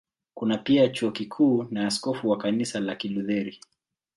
Kuna pia Chuo Kikuu na askofu wa Kanisa la Kilutheri.